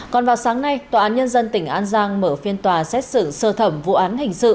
còn vào sáng nay tòa án nhân dân tỉnh an giang mở phiên tòa xét xử sơ thẩm vụ án hình sự